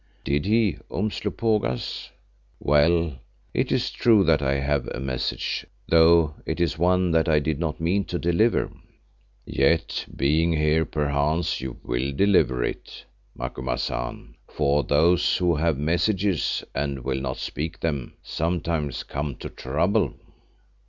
"Did he, Umslopogaas? Well, it is true that I have a message, though it is one that I did not mean to deliver." "Yet being here, perchance you will deliver it, Macumazahn, for those who have messages and will not speak them, sometimes come to trouble."